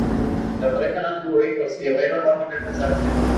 La pareja no tuvo hijos, y Byron no volvió a casarse.